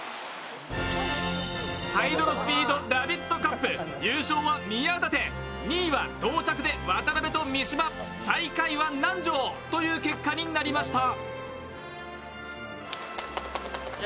ハイドロスピード・ラヴィットカップ、優勝は宮舘、２位は同着で渡辺と三島、最下位は南條という結果になりました。